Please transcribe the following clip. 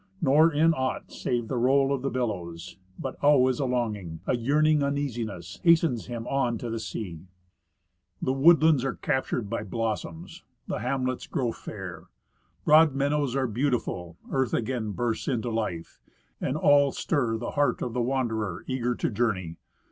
Nor in aught save the roll of the billows; but always a longing, A yearning uneasiness, hastens him on to the sea. The woodlands are captured by blossoms, the hamlets grow fair. Broad meadows are beautiful, earth again bursts into life, And all stir the heart of the wanderer eager to journey.